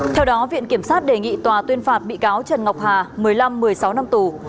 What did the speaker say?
theo đó viện kiểm sát đề nghị tòa tuyên phạt bị cáo trần ngọc hà một mươi năm một mươi sáu năm tù